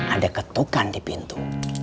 ada ketukan di pintu